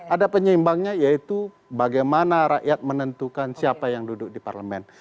ada penyeimbangnya yaitu bagaimana rakyat menentukan siapa yang duduk di parlemen